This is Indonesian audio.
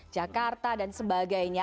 jakarta dan sebagainya